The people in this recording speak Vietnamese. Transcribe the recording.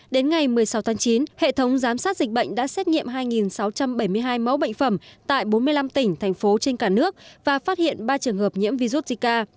đến ngày một mươi sáu tháng chín hệ thống giám sát dịch bệnh đã xét nghiệm hai sáu trăm bảy mươi hai mẫu bệnh phẩm tại bốn mươi năm tỉnh thành phố trên cả nước và phát hiện ba trường hợp nhiễm virus zika